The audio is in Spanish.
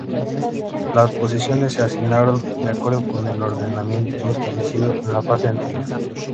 Las posiciones se asignaron de acuerdo con el ordenamiento establecido en la fase anterior.